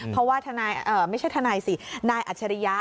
เพราะว่าไม่ใช่ทนายสินายอัจฉริยะ